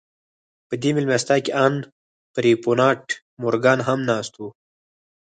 په دې مېلمستیا کې ان پیرپونټ مورګان هم ناست و